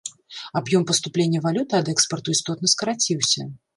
Аб'ём паступлення валюты ад экспарту істотна скараціўся.